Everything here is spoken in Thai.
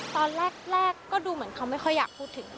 ตอนแรกก็ดูเหมือนเขาไม่ค่อยอยากพูดถึง